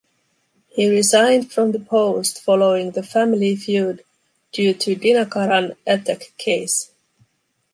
He resigned from the post following the family feud due to Dinakaran attack case.